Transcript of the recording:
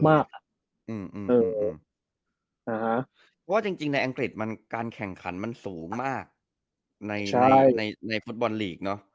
เพราะว่าจริงในอังกฤษมันการแข่งขันมันสูงมากในในฟุตบอลลีกเนอะ